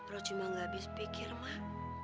ruh cuma gak habis pikir mak